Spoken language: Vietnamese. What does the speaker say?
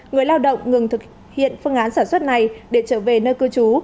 người lao động ngừng thực hiện phương án sản xuất này để trở về nơi cư trú